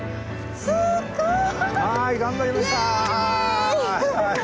すごい！